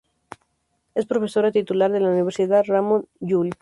Es profesora titular de la Universidad Ramon Llull.